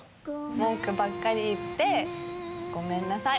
文句ばっかり言ってごめんなさい。